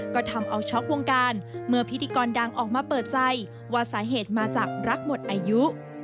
ก็ทำเอาช็อกวงการเมื่อพิธีกรดังออกมาเปิดใจว่าสาเหตุมาจากรักหมดอายุ